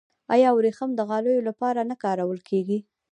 آیا وریښم د غالیو لپاره نه کارول کیږي؟